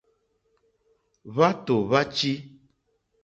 Hwátò hwá tʃǐ.